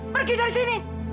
pergi dari sini